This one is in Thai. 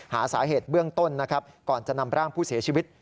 หาสาเหตุเบื้องต้นนะครับก่อนจะนำร่างผู้เสียชีวิต